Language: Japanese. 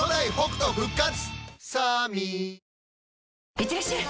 いってらっしゃい！